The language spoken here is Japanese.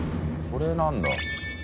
これなんだ？